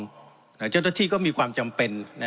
ใช้ระเบิดปิงปองนะเจ้าหน้าที่ก็มีความจำเป็นน่ะ